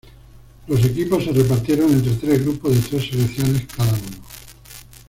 Los equipos se repartieron entre tres grupos de tres selecciones cada uno.